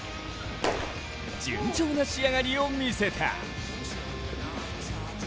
順調な仕上がりを見せた。